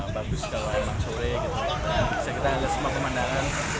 bagus kalau air mencorek bisa kita lihat semua pemandangan